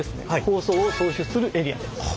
放送を送出するエリアです。